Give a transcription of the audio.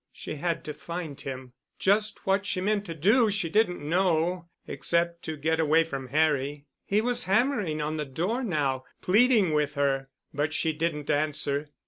She had to find him. Just what she meant to do she didn't know, except to get away from Harry. He was hammering on the door now—pleading with her. But she didn't answer.